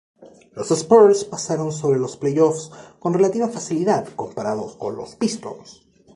Los Spurs pasaron sobre los playoffs con relativa facilidad, comparados con los Pistons.